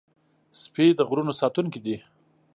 سپي د غرونو ساتونکي دي.